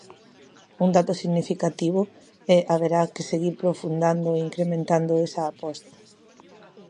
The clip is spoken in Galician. Un dato significativo, e haberá que seguir profundando e incrementando esa aposta.